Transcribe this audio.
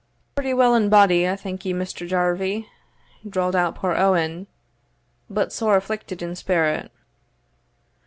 "Pretty well in body, I thank you, Mr. Jarvie," drawled out poor Owen, "but sore afflicted in spirit."